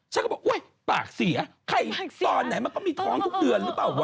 ฉันก็บอกอุ๊ยปากเสียใครตอนไหนมันก็มีท้องทุกเดือนหรือเปล่าวะ